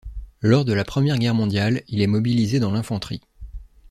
Lors de la Première Guerre mondiale il est mobilisé dans l'infanterie.